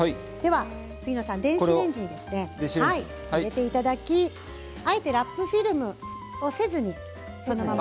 杉野さん電子レンジに入れていただきあえてラップフィルムはせずにそのまま。